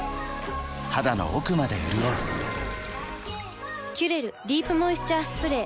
肌の奥まで潤う「キュレルディープモイスチャースプレー」